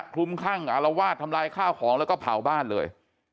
คลุมคลั่งอารวาสทำลายข้าวของแล้วก็เผาบ้านเลย